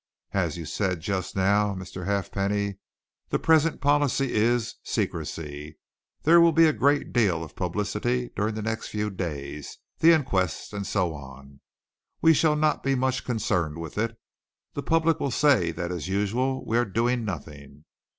As you said just now, Mr. Halfpenny, the present policy is secrecy. There will be a great deal of publicity during the next few days the inquest, and so on. We shall not be much concerned with it the public will say that as usual we are doing nothing.